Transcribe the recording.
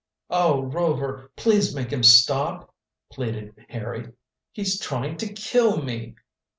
"Oh, Rover, please make him stop," pleaded Harry. "He's trying to kill me!"